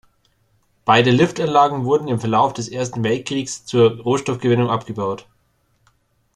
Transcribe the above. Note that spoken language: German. Beide Liftanlagen wurden im Verlauf des Ersten Weltkrieges zur Rohstoffgewinnung abgebaut.